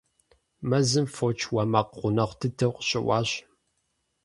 Мэзым фоч уэ макъ гъунэгъу дыдэу къыщыӀуащ.